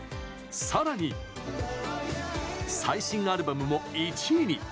さらに、最新アルバムも１位に！